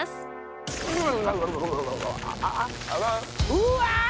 うわ！